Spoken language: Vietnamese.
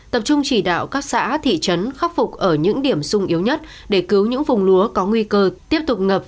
tập trung chỉ đạo các xã thị trấn khắc phục ở những điểm sung yếu nhất để cứu những vùng lúa có nguy cơ tiếp tục ngập